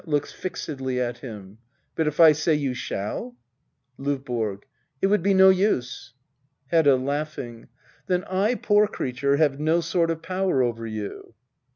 [Looks fixedly at him,'\ But if I say you shall ? LdVBORO. It would be no use. Hedda. \Laugh%ngJ\ Then I, poor creature, have no sort of power over you